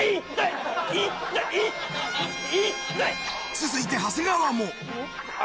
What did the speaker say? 続いて長谷川も。